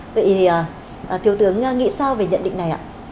vậy thì thiếu tướng nghĩ sao về nhận định này ạ